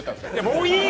もういい！